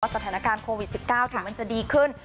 สถานการณ์โควิด๑๙ถึงมันจะดีขึ้น